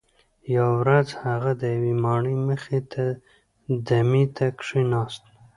یوه ورځ هغه د یوې ماڼۍ مخې ته دمې ته کښیناست.